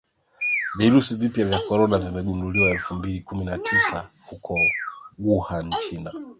Virusi vipya vya korona viligunduliwa elfu mbili kumi na tisa huko Wuhan China